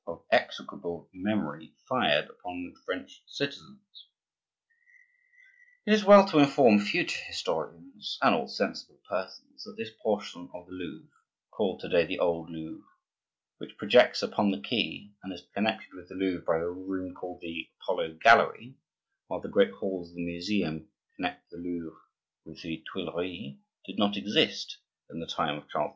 of execrable memory, fired upon French citizens." It is well to inform future historians and all sensible persons that this portion of the Louvre—called to day the old Louvre—which projects upon the quay and is connected with the Louvre by the room called the Apollo gallery (while the great halls of the Museum connect the Louvre with the Tuileries) did not exist in the time of Charles IX.